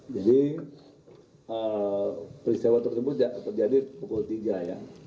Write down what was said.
jadi peristiwa tersebut terjadi pukul tiga ya